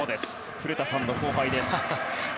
古田さんの後輩です。